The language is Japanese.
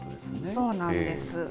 そうなんです。